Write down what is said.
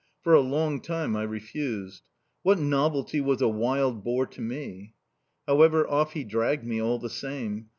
For a long time I refused. What novelty was a wild boar to me? "However, off he dragged me, all the same.